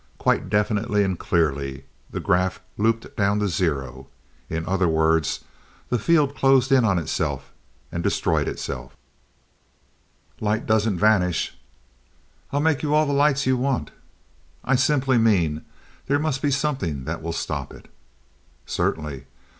Quite definitely and clearly, the graph looped down to zero. In other words, the field closed in on itself, and destroyed itself." "Light doesn't vanish." "I'll make you all the lights you want." "I simply mean there must be something that will stop it." "Certainly.